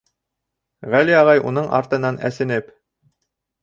Ғәли ағай уның артынан, әсенеп: